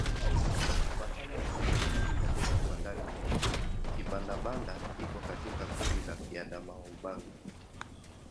Kufuatana na uainishaji wa lugha kwa ndani zaidi, Kibanda-Banda iko katika kundi la Kiadamawa-Ubangi.